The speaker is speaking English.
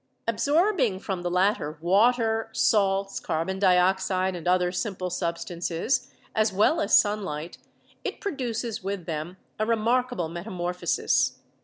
Absorb ing from the latter water, salts, carbon dioxide, and other simple substances, as well as sunlight, it produces with them a remarkable metamorphosis.